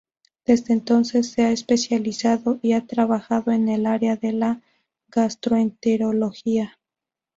Desde entonces se ha especializado y ha trabajado en el área de la Gastroenterología.